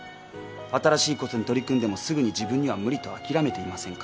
「新しいことに取り組んでもすぐに自分には無理と諦めていませんか？」